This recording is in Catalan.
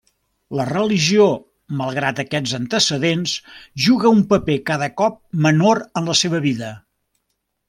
La religió, malgrat aquests antecedents, jugà un paper cada cop menor en la seva vida.